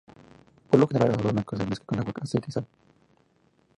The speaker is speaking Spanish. Por lo general, al arroz blanco se mezcla con agua, aceite y sal.